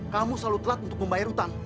kamu selalu telat untuk membayar utang